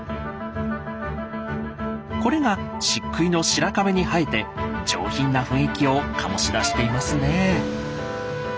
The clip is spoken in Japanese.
これが漆喰の白壁に映えて上品な雰囲気を醸し出していますねえ。